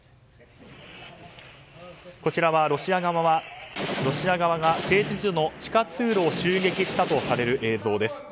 こちらはロシア側が製鉄所の地下通路を襲撃したとされる映像です。